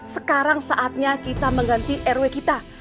sekarang saatnya kita mengganti rw kita